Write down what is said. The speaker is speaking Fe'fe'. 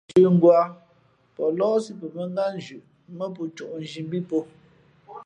Ά pen cə̌ngwǎ, pαh lάάsí pα mᾱngátnzhʉʼ mά pō cōʼnzhi mbí pō.